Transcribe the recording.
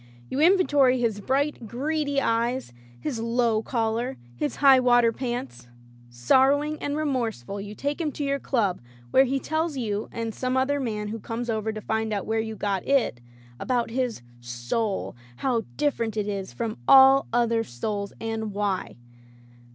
You inventory his bright, greedy eyes, his low collar, his high water pants. Sorrowing and remorseful you take him to your club, where he tells you, and some other man who comes over to find out where you got It, about his Soul, how dif ferent it is from all other souls, and why.